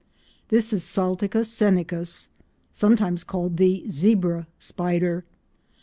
This is Salticus scenicus, sometimes called the Zebra Spider.